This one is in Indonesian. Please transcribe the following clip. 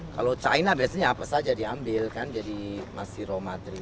kalau china biasanya apa saja diambil kan jadi masih raw material